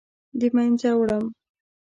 د مینځه وړم